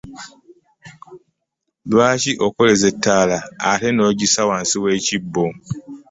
Lwaki okoleeza ettaala ate n'ogissa wansi w'ekibbo?